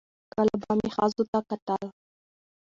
کله به مې ښځو ته کتل